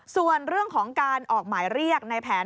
ส่วนเรื่องของการออกหมายเรียกในแผน